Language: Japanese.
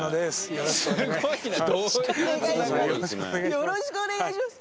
よろしくお願いします